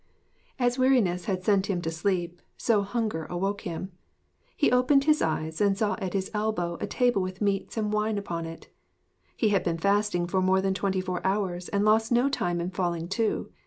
As weariness had sent him to sleep, so hunger awoke him. He opened his eyes and saw at his elbow a table with meats and wine upon it. He had been fasting for more than twenty four hours, and lost no time in falling to.